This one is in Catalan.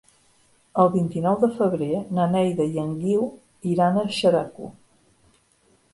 El vint-i-nou de febrer na Neida i en Guiu iran a Xeraco.